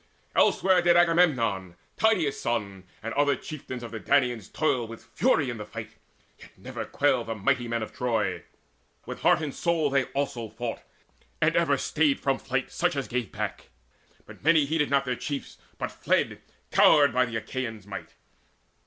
Elsewhere did Agamemnon, Tydeus' son, And other chieftains of the Danaans toil With fury in the fight. Yet never quailed The mighty men of Troy: with heart and soul They also fought, and ever stayed from flight Such as gave back. Yet many heeded not Their chiefs, but fled, cowed by the Achaeans' might.